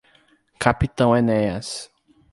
Capitão Enéas